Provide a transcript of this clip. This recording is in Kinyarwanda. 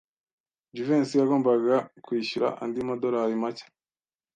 Jivency yagombaga kwishyura andi madorari make.